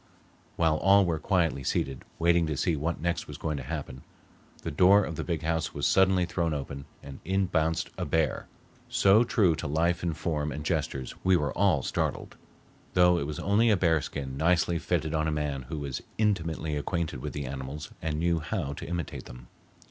While all were quietly seated, waiting to see what next was going to happen, the door of the big house was suddenly thrown open and in bounced a bear, so true to life in form and gestures we were all startled, though it was only a bear skin nicely fitted on a man who was intimately acquainted with the animals and knew how to imitate them.